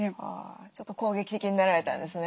ちょっと攻撃的になられたんですね